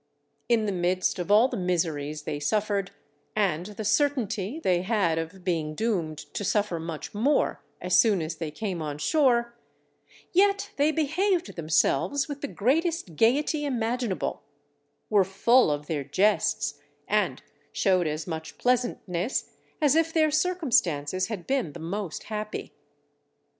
In the midst of all the miseries they suffered, and the certainty they had of being doomed to suffer much more as soon as they came on shore, yet they behaved themselves with the greatest gaiety imaginable, were full of their jests and showed as much pleasantness as if their circumstances had been the most happy.